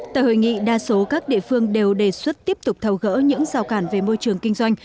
tại hội nghị đa số các địa phương đều đề xuất tiếp tục thầu gỡ những rào cản về môi trường kinh doanh